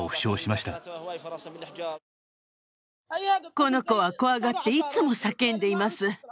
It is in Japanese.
この子は怖がっていつも叫んでいます。